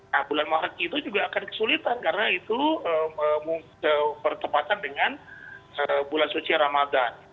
nah bulan maret itu juga akan kesulitan karena itu bertepatan dengan bulan suci ramadan